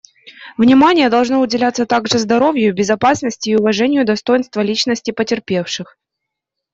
Внимание должно уделяться также здоровью, безопасности и уважению достоинства личности потерпевших.